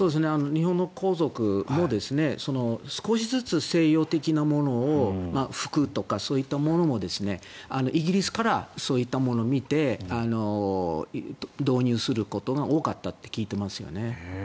日本の皇族も少しずつ西洋的なものを服とかそういったものもイギリスからそういったものを見て導入することが多かったと聞いていますね。